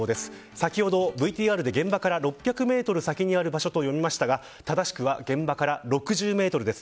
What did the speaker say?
先ほどＶＴＲで現場から６００メートル先にある場所と読みましたが正しくは現場から６０メートルです。